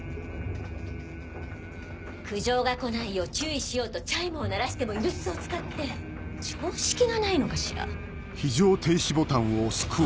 苦情が来ないよう注意しようとチャイムを鳴らしても居留守を使って常識がないのかしら。